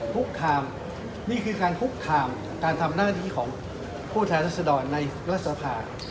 คุกคามนี่คือการคุกคามการทำหน้าที่ของผู้แทนรัศดรในรัฐสภา